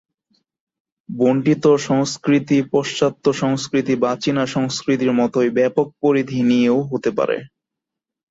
বণ্টিত সংস্কৃতি পাশ্চাত্য সংস্কৃতি বা চীনা সংস্কৃতির মতই ব্যাপক পরিধি নিয়েও হতে পারে।